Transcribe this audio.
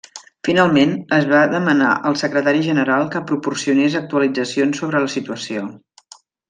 Finalment, es va demanar al Secretari General que proporcionés actualitzacions sobre la situació.